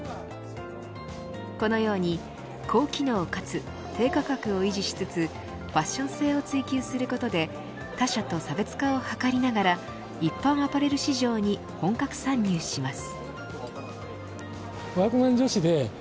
このように高機能かつ低価格を維持しつつファッション性を追求することで他社と差別化を図りながら一般アパレル市場に本格参入します。